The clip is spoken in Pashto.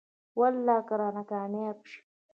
والله که رانه کاميابه شې.